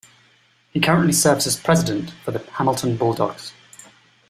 He currently serves as president for the Hamilton Bulldogs.